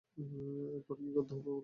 এরপর কি করতে হবে বলুন?